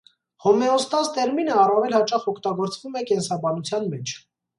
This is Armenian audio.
Հոմեոստազ տերմինը առավել հաճախ օգտագործվում է կենսաբանության մեջ։